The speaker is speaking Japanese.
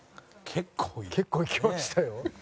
結構いきましたよ。